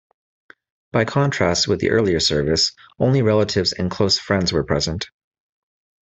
By contrast with the earlier service, only relatives and close friends were present.